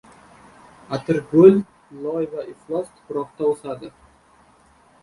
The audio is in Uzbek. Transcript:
Atirgul – loy va iflos tuproqda o‘sadi.